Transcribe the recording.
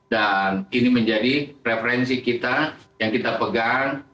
dan ini menjadi referensi kita yang kita pegang